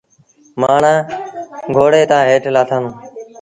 مآڻهآݩ گھوڙي تآݩ هيٺ لآٿآݩدون۔